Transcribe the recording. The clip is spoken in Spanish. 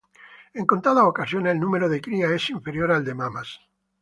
En contadas ocasiones, el número de crías es inferior al de mamas.